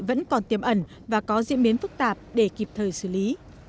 vẫn còn tiềm ẩn và có diễn biến phức tạp để kịp thời xử lý